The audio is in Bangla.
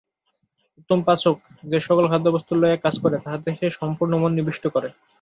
উত্তম পাচক যে-সকল খাদ্যবস্তু লইয়া কাজ করে, তাহাতেই সে সম্পূর্ণ মন নিবিষ্ট করে।